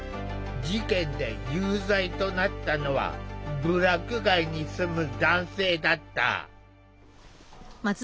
事件で有罪となったのは部落外に住む男性だった。